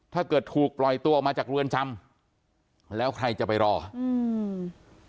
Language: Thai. ถ้าเกิดถูกปล่อยตัวออกมาจากเรือนจำแล้วใครจะไปรออืม